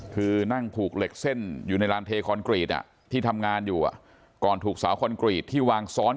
คือนั่งผูกเหล็กเส้นอยู่ในร้านเทคอนกรีต